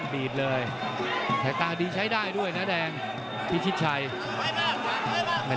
พยายามตัดล่างคืน